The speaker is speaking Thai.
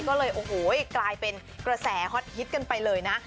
ก็เลยโอ้โหกลายเป็นกระแสฮอตฮิตกันไปเลยนะ